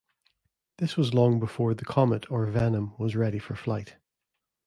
This was long before the Comet or Venom was ready for flight.